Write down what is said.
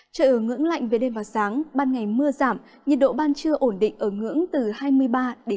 trời ở ngưỡng lạnh về đêm vào sáng ban ngày mưa giảm nhiệt độ ban trưa ổn định ở ngưỡng từ hai mươi ba hai mươi sáu độ